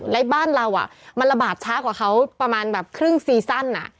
และบ้านเรามันระบาดช้ากว่าเขาประมาณแบบครึ่งซีซั่น